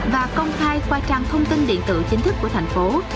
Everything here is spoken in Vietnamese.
và công khai qua trang thông tin điện tử chính thức của thành phố